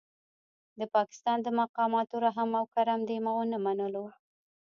د پاکستان د مقاماتو رحم او کرم دې ونه منلو.